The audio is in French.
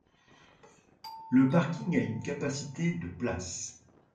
Le parking a une capacité de places.